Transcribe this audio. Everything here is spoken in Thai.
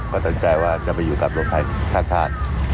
ก็ตัดใจว่าจะไปอยู่กับโรงไทยท่า